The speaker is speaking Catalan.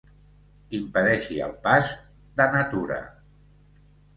Impedeixi el pas de na Tura.